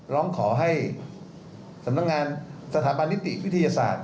ร้องขอให้สำนักงานสถาบันนิติวิทยาศาสตร์